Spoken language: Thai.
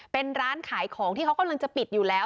เป็นร้านขายของที่เขากำลังจะปิดอยู่แล้ว